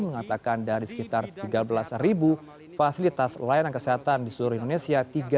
mengatakan dari sekitar tiga belas fasilitas layanan kesehatan di seluruh indonesia